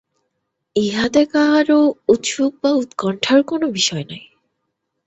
ইহাতে কাহারো ঔৎসুক্য বা উৎকণ্ঠার কোনো বিষয় নাই।